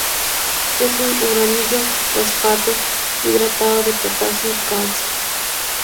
Es un uranilo-fosfato hidratado de potasio y calcio.